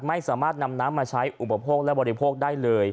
ไม่สามารถนำน้ำมาใช้อุปโภคและบริโภคได้เลย